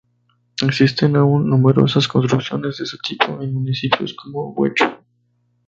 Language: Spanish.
Existen aún numerosas construcciones de este tipo en municipios como Guecho.